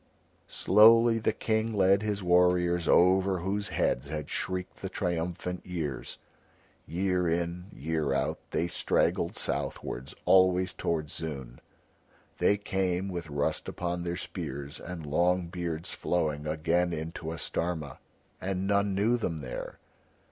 Slowly the King led back his warriors over whose heads had shrieked the triumphant years. Year in, year out, they straggled southwards, always towards Zoon; they came, with rust upon their spears and long beards flowing, again into Astarma, and none knew them there.